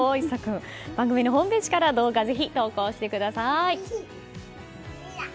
番組のホームページから動画ぜひ投稿してください。